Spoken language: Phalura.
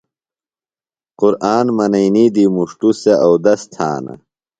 قُرآن منئینی دی مُݜٹوۡ سےۡ اودس تھانہ۔